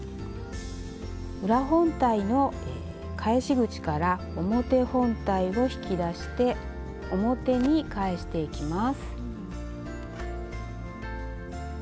裏本体の返し口から表本体を引き出して表に返していきます。